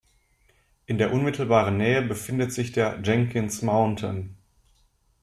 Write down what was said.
In der unmittelbaren Nähe befindet sich der "Jenkins Mountain".